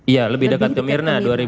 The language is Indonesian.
iya lebih dekat ke myrna dua ribu delapan